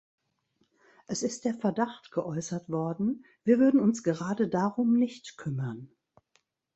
Es ist der Verdacht geäußert worden, wir würden uns gerade darum nicht kümmern.